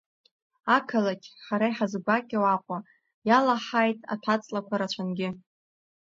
Ақалақь, ҳара иҳазгәакьоу Аҟәа, иалаҳҳаит аҭәаҵлақәа рацәангьы.